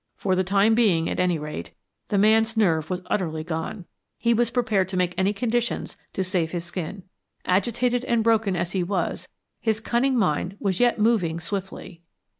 For the time being, at any rate, the man's nerve was utterly gone. He was prepared to make any conditions to save his skin. Agitated and broken as he was, his cunning mind was yet moving swiftly.